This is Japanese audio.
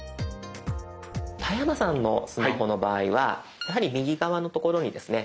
田山さんのスマホの場合はやはり右側のところにですね